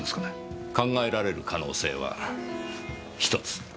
考えられる可能性は１つ。